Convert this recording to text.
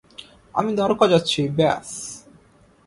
আমি দ্বারকা যাচ্ছি, ব্যস।